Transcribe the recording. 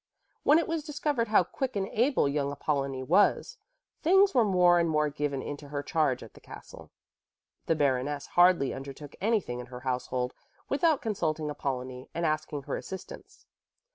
When it was discovered how quick and able young Apollonie was, things were more and more given into her charge at the castle. The Baroness hardly undertook anything in her household without consulting Apollonie and asking her assistance.